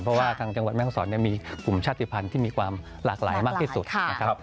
เพราะว่าทางจังหวัดแม่ห้องศรมีกลุ่มชาติภัณฑ์ที่มีความหลากหลายมากที่สุดนะครับ